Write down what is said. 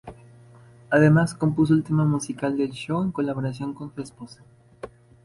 Además compuso el tema musical del show en colaboración con su esposa.